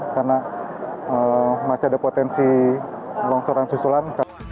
karena masih ada potensi longsoran susulan